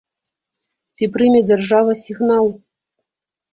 Ці прыме дзяржава сігнал?